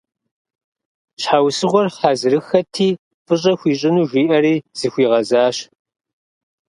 Щхьэусыгъуэр хьэзырыххэти, фӏыщӏэ хуищӏыну жиӏэри, зыхуигъэзащ.